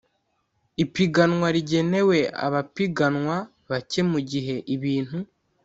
ipiganwa rigenewe abapiganwa bake mu gihe ibintu